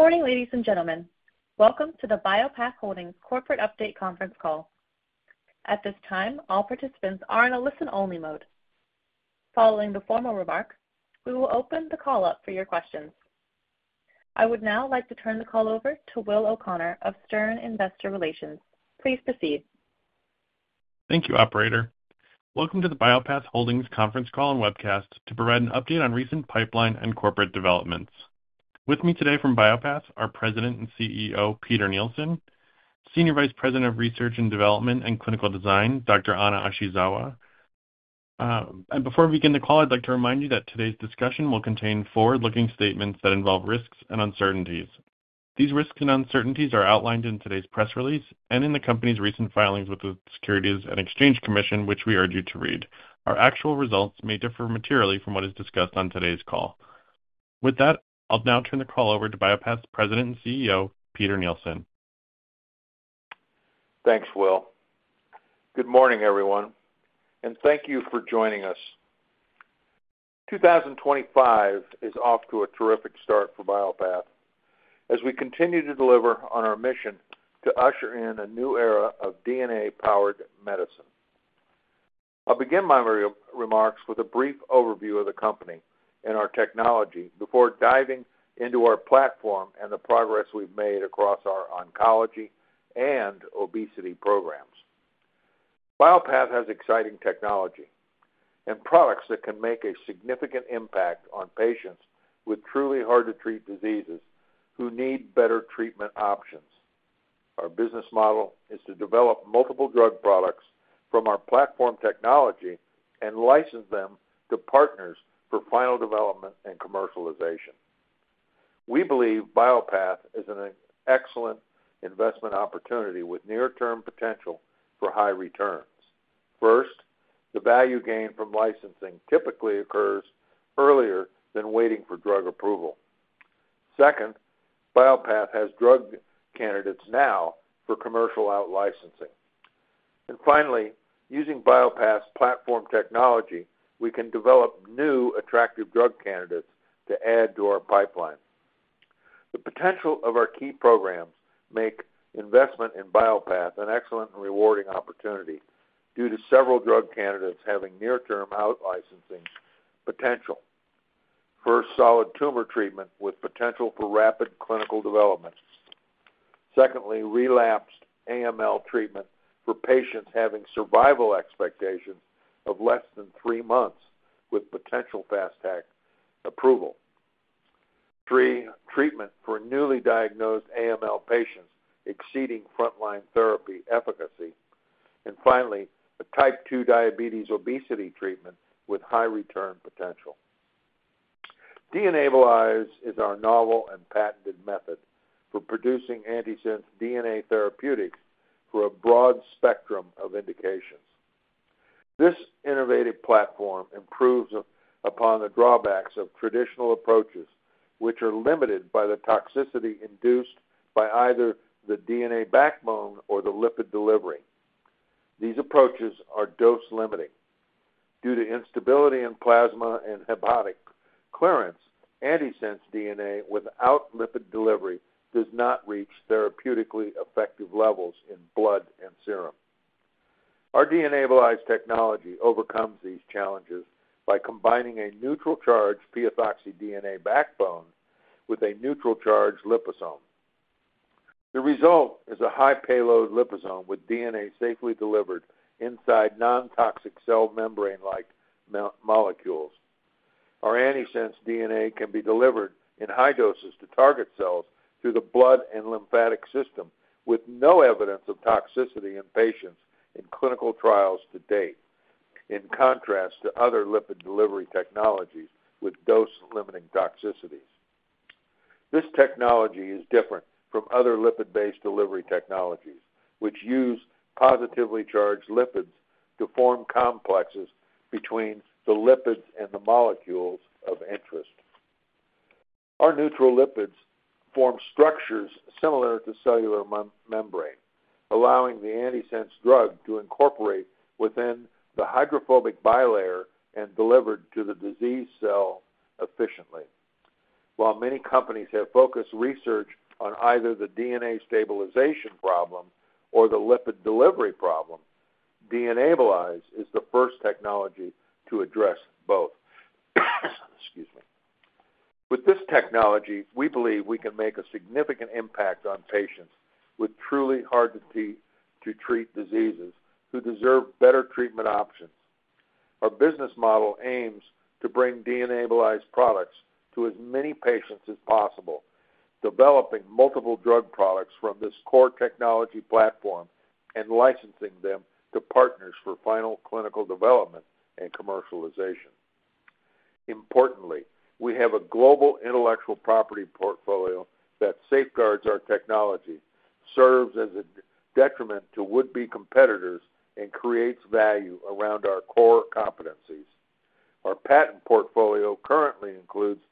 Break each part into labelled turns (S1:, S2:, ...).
S1: Good morning, ladies and gentlemen. Welcome to the Bio-Path Holdings Corporate Update conference call. At this time, all participants are in a listen-only mode. Following the formal remarks, we will open the call up for your questions. I would now like to turn the call over to Will O'Connor of Stern Investor Relations. Please proceed.
S2: Thank you, Operator. Welcome to the Bio-Path Holdings conference call and webcast to provide an update on recent pipeline and corporate developments. With me today from Bio-Path are President and CEO Peter Nielsen, Senior Vice President of Research and Development and Clinical Design, Dr. Ana Ashizawa. Before we begin the call, I'd like to remind you that today's discussion will contain forward-looking statements that involve risks and uncertainties. These risks and uncertainties are outlined in today's press release and in the company's recent filings with the Securities and Exchange Commission, which we urge you to read. Our actual results may differ materially from what is discussed on today's call. With that, I'll now turn the call over to Bio-Path's President and CEO, Peter Nielsen.
S3: Thanks, Will. Good morning, everyone, and thank you for joining us. 2025 is off to a terrific start for Bio-Path as we continue to deliver on our mission to usher in a new era of DNA-powered medicine. I'll begin my remarks with a brief overview of the company and our technology before diving into our platform and the progress we've made across our oncology and obesity programs. Bio-Path has exciting technology and products that can make a significant impact on patients with truly hard-to-treat diseases who need better treatment options. Our business model is to develop multiple drug products from our platform technology and license them to partners for final development and commercialization. We believe Bio-Path is an excellent investment opportunity with near-term potential for high returns. First, the value gain from licensing typically occurs earlier than waiting for drug approval. Second, Bio-Path has drug candidates now for commercial out-licensing. Finally, using Bio-Path's platform technology, we can develop new attractive drug candidates to add to our pipeline. The potential of our key programs makes investment in Bio-Path an excellent and rewarding opportunity due to several drug candidates having near-term out-licensing potential. First, solid tumor treatment with potential for rapid clinical development. Secondly, relapsed AML treatment for patients having survival expectations of less than three months with potential FAST/TAC approval. Three, treatment for newly diagnosed AML patients exceeding frontline therapy efficacy. Finally, a type 2 diabetes obesity treatment with high return potential. DNAbilize is our novel and patented method for producing antisense DNA therapeutics for a broad spectrum of indications. This innovative platform improves upon the drawbacks of traditional approaches, which are limited by the toxicity induced by either the DNA backbone or the lipid delivery. These approaches are dose-limiting. Due to instability in plasma and hepatic clearance, antisense DNA without lipid delivery does not reach therapeutically effective levels in blood and serum. Our DNAbilize technology overcomes these challenges by combining a neutral-charged phosphorothioate DNA backbone with a neutral-charged liposome. The result is a high-payload liposome with DNA safely delivered inside non-toxic cell membrane-like molecules. Our antisense DNA can be delivered in high doses to target cells through the blood and lymphatic system with no evidence of toxicity in patients in clinical trials to date, in contrast to other lipid delivery technologies with dose-limiting toxicities. This technology is different from other lipid-based delivery technologies, which use positively charged lipids to form complexes between the lipids and the molecules of interest. Our neutral lipids form structures similar to cellular membrane, allowing the antisense drug to incorporate within the hydrophobic bilayer and deliver to the disease cell efficiently. While many companies have focused research on either the DNA stabilization problem or the lipid delivery problem, DNAbilize is the first technology to address both. Excuse me. With this technology, we believe we can make a significant impact on patients with truly hard-to-treat diseases who deserve better treatment options. Our business model aims to bring DNAbilize products to as many patients as possible, developing multiple drug products from this core technology platform and licensing them to partners for final clinical development and commercialization. Importantly, we have a global intellectual property portfolio that safeguards our technology, serves as a detriment to would-be competitors, and creates value around our core competencies. Our patent portfolio currently includes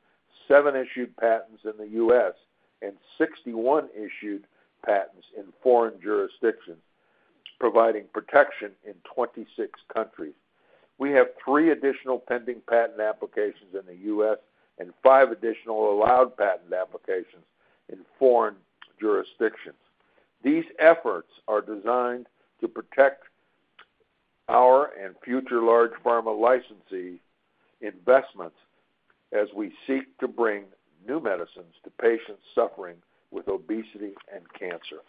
S3: seven issued patents in the U.S. and 61 issued patents in foreign jurisdictions, providing protection in 26 countries. We have three additional pending patent applications in the U.S. and five additional allowed patent applications in foreign jurisdictions. These efforts are designed to protect our and future large pharma licensee investments as we seek to bring new medicines to patients suffering with obesity and cancer.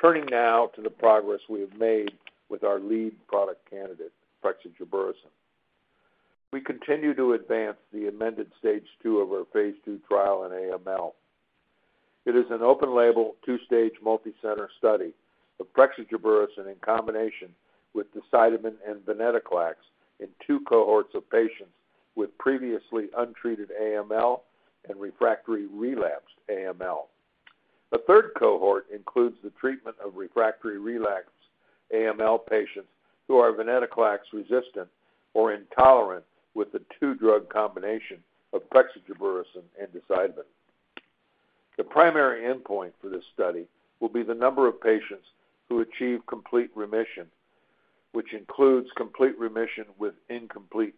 S3: Turning now to the progress we have made with our lead product candidate, prexigebersen. We continue to advance the amended stage two of our phase II trial in AML. It is an open-label, two-stage multicenter study of prexigebersen in combination with decitabine and venetoclax in two cohorts of patients with previously untreated AML and refractory relapsed AML. A third cohort includes the treatment of refractory relapsed AML patients who are venetoclax resistant or intolerant with the two-drug combination of prexigebersen and decitabine. The primary endpoint for this study will be the number of patients who achieve complete remission, which includes complete remission with incomplete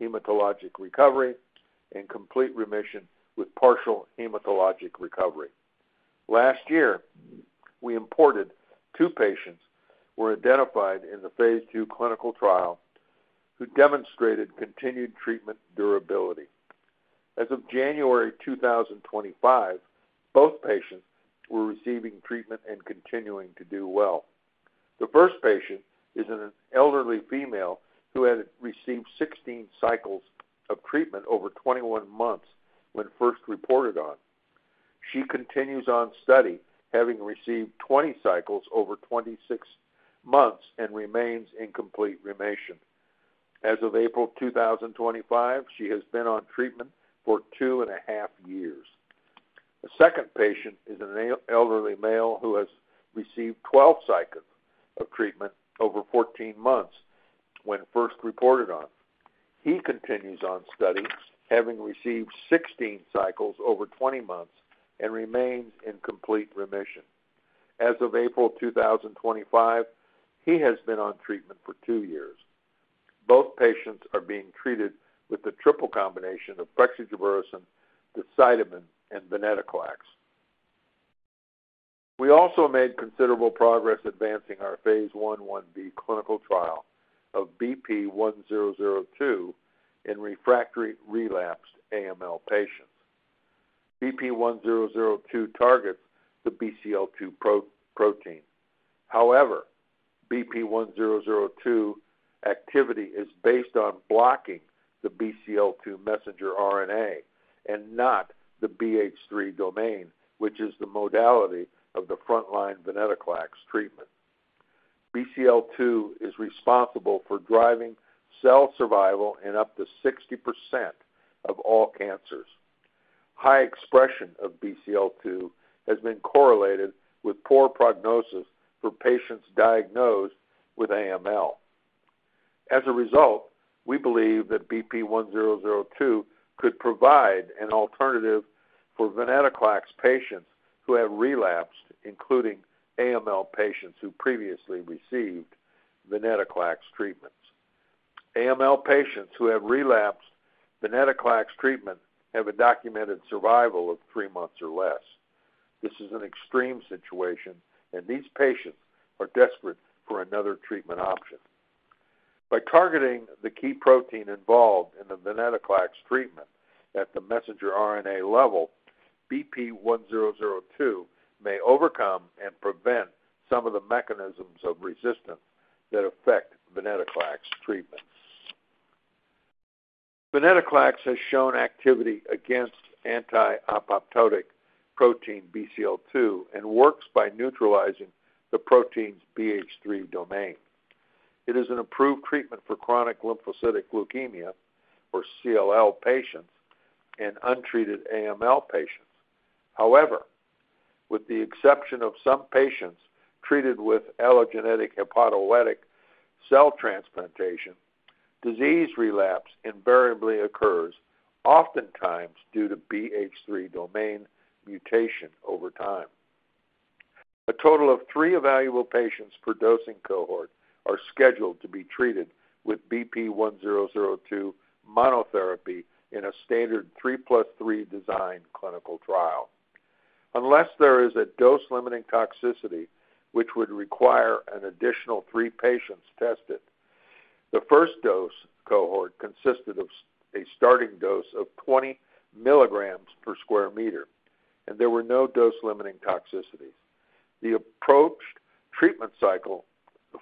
S3: hematologic recovery and complete remission with partial hematologic recovery. Last year, we imported two patients who were identified in the phase II clinical trial who demonstrated continued treatment durability. As of January 2025, both patients were receiving treatment and continuing to do well. The first patient is an elderly female who had received 16 cycles of treatment over 21 months when first reported on. She continues on study, having received 20 cycles over 26 months and remains in complete remission. As of April 2025, she has been on treatment for two and a half years. The second patient is an elderly male who has received 12 cycles of treatment over 14 months when first reported on. He continues on study, having received 16 cycles over 20 months and remains in complete remission. As of April 2025, he has been on treatment for two years. Both patients are being treated with the triple combination of prexigebersen, decitabine, and venetoclax. We also made considerable progress advancing our phase 1/1b clinical trial of BP1002 in refractory relapsed AML patients. BP1002 targets the BCL2 protein. However, BP1002 activity is based on blocking the BCL2 messenger RNA and not the BH3 domain, which is the modality of the frontline venetoclax treatment. BCL2 is responsible for driving cell survival in up to 60% of all cancers. High expression of BCL2 has been correlated with poor prognosis for patients diagnosed with AML. As a result, we believe that BP1002 could provide an alternative for venetoclax patients who have relapsed, including AML patients who previously received venetoclax treatments. AML patients who have relapsed venetoclax treatment have a documented survival of three months or less. This is an extreme situation, and these patients are desperate for another treatment option. By targeting the key protein involved in the venetoclax treatment at the messenger RNA level, BP1002 may overcome and prevent some of the mechanisms of resistance that affect venetoclax treatment. Venetoclax has shown activity against anti-apoptotic protein BCL2 and works by neutralizing the protein's BH3 domain. It is an approved treatment for chronic lymphocytic leukemia or CLL patients and untreated AML patients. However, with the exception of some patients treated with allogeneic hematopoietic cell transplantation, disease relapse invariably occurs, oftentimes due to BH3 domain mutation over time. A total of three available patients per dosing cohort are scheduled to be treated with BP1002 monotherapy in a standard 3 + 3 design clinical trial. Unless there is a dose-limiting toxicity, which would require an additional three patients tested, the first dose cohort consisted of a starting dose of 20 mg/sq m, and there were no dose-limiting toxicities. The approached treatment cycle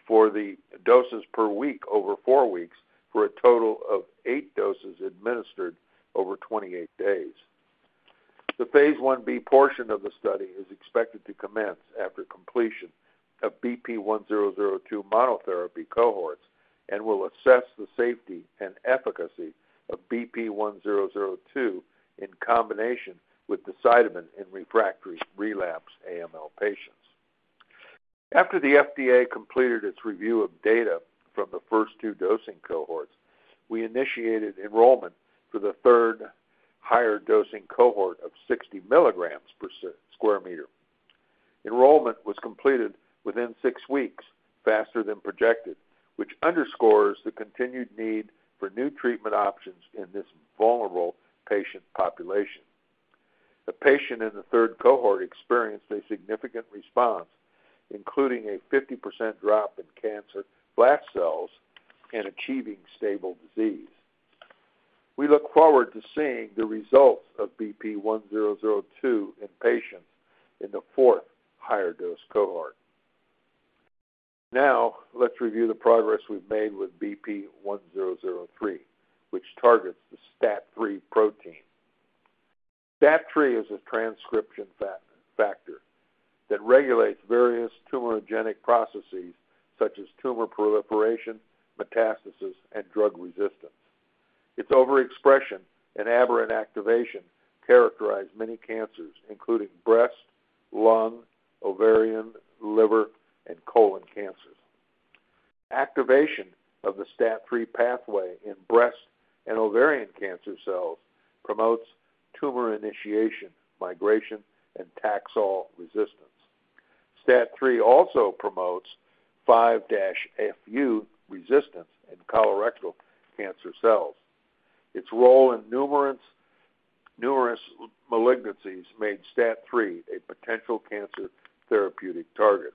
S3: for the doses per week over four weeks for a total of eight doses administered over 28 days. The phase Ib portion of the study is expected to commence after completion of BP1002 monotherapy cohorts and will assess the safety and efficacy of BP1002 in combination with decitabine in refractory relapsed AML patients. After the FDA completed its review of data from the first two dosing cohorts, we initiated enrollment for the third higher dosing cohort of 60 mg/sq m. Enrollment was completed within six weeks, faster than projected, which underscores the continued need for new treatment options in this vulnerable patient population. The patient in the third cohort experienced a significant response, including a 50% drop in cancer flash cells and achieving stable disease. We look forward to seeing the results of BP1002 in patients in the fourth higher dose cohort. Now, let's review the progress we've made with BP1003, which targets the STAT3 protein. STAT3 is a transcription factor that regulates various tumorogenic processes such as tumor proliferation, metastasis, and drug resistance. Its overexpression and aberrant activation characterize many cancers, including breast, lung, ovarian, liver, and colon cancers. Activation of the STAT3 pathway in breast and ovarian cancer cells promotes tumor initiation, migration, and taxol resistance. STAT3 also promotes 5-FU resistance in colorectal cancer cells. Its role in numerous malignancies made STAT3 a potential cancer therapeutic target.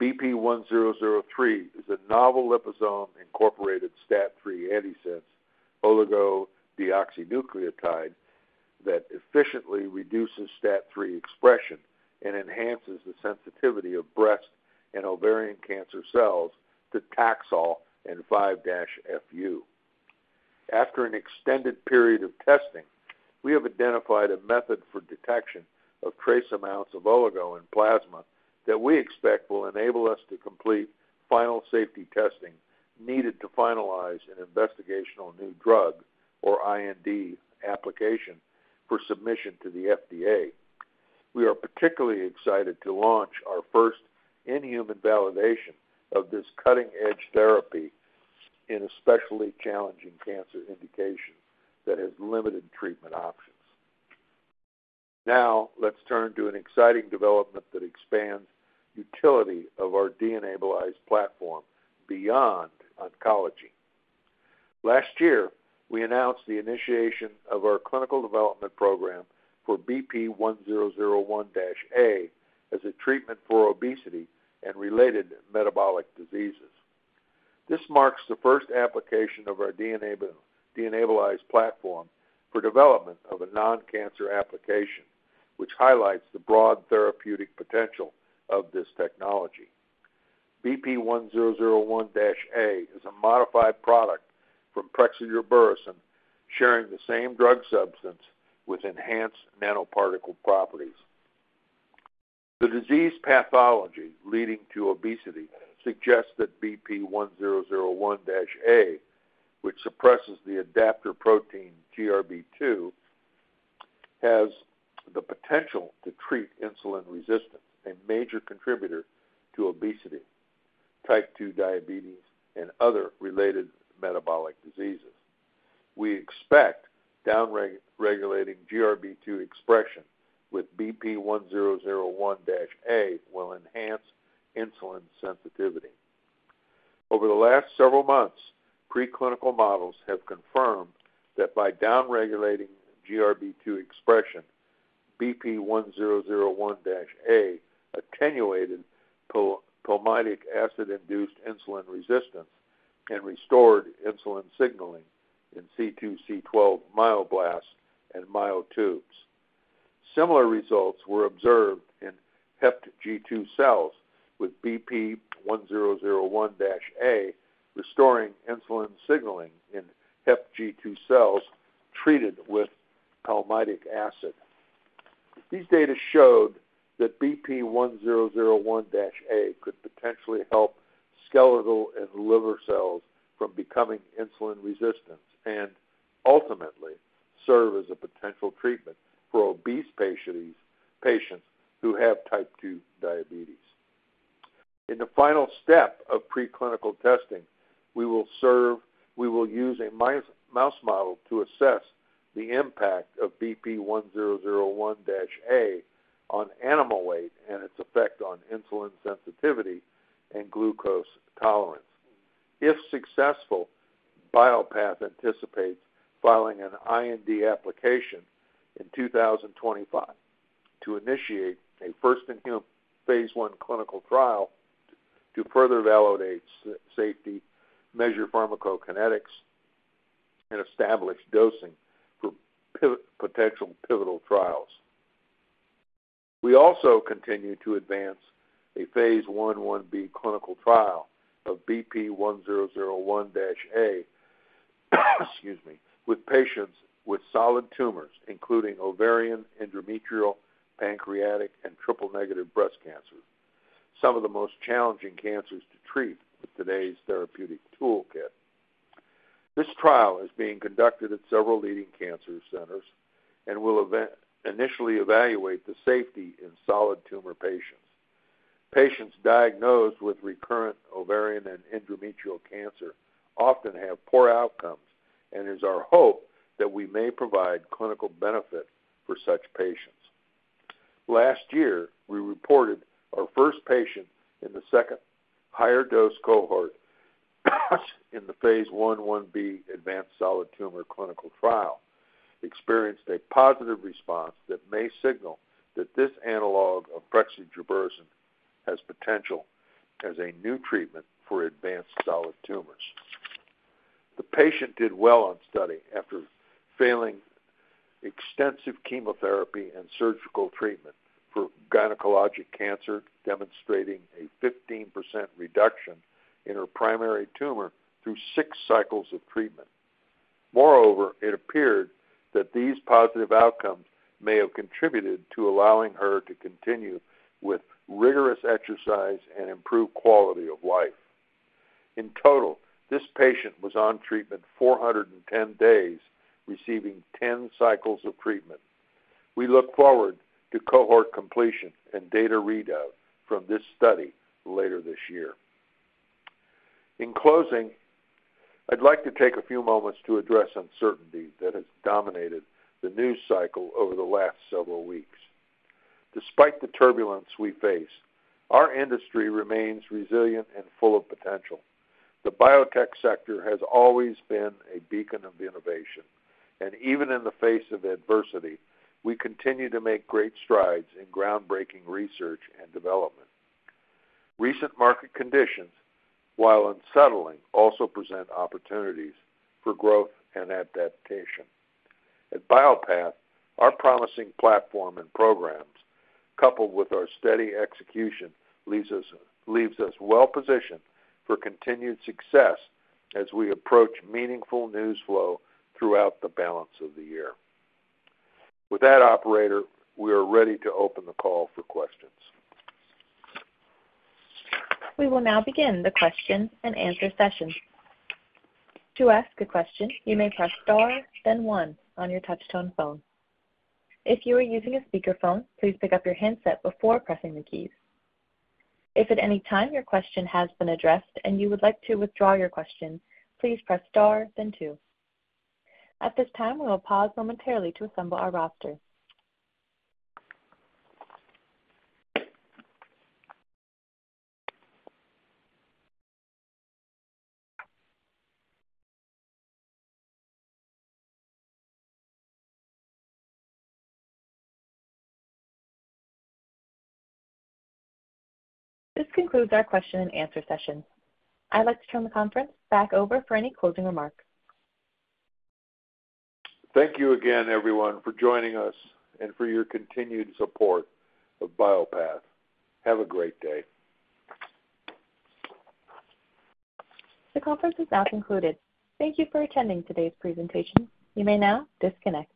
S3: BP1003 is a novel liposome-incorporated STAT3 antisense oligodeoxynucleotide that efficiently reduces STAT3 expression and enhances the sensitivity of breast and ovarian cancer cells to taxol and 5-FU. After an extended period of testing, we have identified a method for detection of trace amounts of oligo in plasma that we expect will enable us to complete final safety testing needed to finalize an investigational new drug or IND application for submission to the FDA. We are particularly excited to launch our first inhuman validation of this cutting-edge therapy in a specially challenging cancer indication that has limited treatment options. Now, let's turn to an exciting development that expands the utility of our DNAbilize platform beyond oncology. Last year, we announced the initiation of our clinical development program for BP1001-A as a treatment for obesity and related metabolic diseases. This marks the first application of our DNAbilize platform for development of a non-cancer application, which highlights the broad therapeutic potential of this technology. BP1001-A is a modified product from prexigebersen, sharing the same drug substance with enhanced nanoparticle properties. The disease pathology leading to obesity suggests that BP1001-A, which suppresses the adaptor protein GRB2, has the potential to treat insulin resistance, a major contributor to obesity, type 2 diabetes, and other related metabolic diseases. We expect downregulating GRB2 expression with BP1001-A will enhance insulin sensitivity. Over the last several months, preclinical models have confirmed that by downregulating GRB2 expression, BP1001-A attenuated palmitic acid-induced insulin resistance and restored insulin signaling in C2C12 myoblasts and myotubes. Similar results were observed in HepG2 cells with BP1001-A restoring insulin signaling in HepG2 cells treated with palmitic acid. These data showed that BP1001-A could potentially help skeletal and liver cells from becoming insulin resistant and ultimately serve as a potential treatment for obese patients who have type 2 diabetes. In the final step of preclinical testing, we will use a mouse model to assess the impact of BP1001-A on animal weight and its effect on insulin sensitivity and glucose tolerance. If successful, Bio-Path anticipates filing an IND application in 2025 to initiate a first-in-human phase I clinical trial to further validate safety, measure pharmacokinetics, and establish dosing for potential pivotal trials. We also continue to advance a phase 1/1b clinical trial of BP1001-A with patients with solid tumors, including ovarian, endometrial, pancreatic, and triple-negative breast cancers, some of the most challenging cancers to treat with today's therapeutic toolkit. This trial is being conducted at several leading cancer centers and will initially evaluate the safety in solid tumor patients. Patients diagnosed with recurrent ovarian and endometrial cancer often have poor outcomes, and it is our hope that we may provide clinical benefit for such patients. Last year, we reported our first patient in the second higher dose cohort in the phase 1/1b advanced solid tumor clinical trial experienced a positive response that may signal that this analog of prexigebersen has potential as a new treatment for advanced solid tumors. The patient did well on study after failing extensive chemotherapy and surgical treatment for gynecologic cancer, demonstrating a 15% reduction in her primary tumor through six cycles of treatment. Moreover, it appeared that these positive outcomes may have contributed to allowing her to continue with rigorous exercise and improve quality of life. In total, this patient was on treatment 410 days, receiving 10 cycles of treatment. We look forward to cohort completion and data readout from this study later this year. In closing, I'd like to take a few moments to address uncertainty that has dominated the news cycle over the last several weeks. Despite the turbulence we face, our industry remains resilient and full of potential. The biotech sector has always been a beacon of innovation, and even in the face of adversity, we continue to make great strides in groundbreaking research and development. Recent market conditions, while unsettling, also present opportunities for growth and adaptation. At Bio-Path, our promising platform and programs, coupled with our steady execution, leave us well positioned for continued success as we approach meaningful news flow throughout the balance of the year. With that, Operator, we are ready to open the call for questions.
S1: We will now begin the question and answer session. To ask a question, you may press star, then one on your touch-tone phone. If you are using a speakerphone, please pick up your handset before pressing the keys. If at any time your question has been addressed and you would like to withdraw your question, please press star, then two. At this time, we will pause momentarily to assemble our roster. This concludes our question and answer session. I'd like to turn the conference back over for any closing remarks.
S3: Thank you again, everyone, for joining us and for your continued support of Bio-Path. Have a great day.
S1: The conference is now concluded. Thank you for attending today's presentation. You may now disconnect.